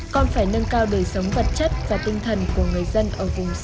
còn phải nâng cao đời sống vật chất và tinh thần của người dân ở vùng sâu xa